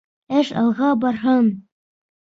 Эш алға барһын!